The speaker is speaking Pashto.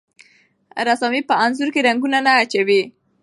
رسامي په انځورونو کې رنګونه نه اچوي.